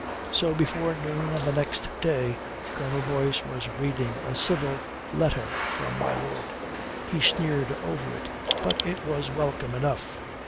So before noon on the next day, Colonel Boyce was reading a civil letter from my lord. He sneered over it, but it was welcome enough.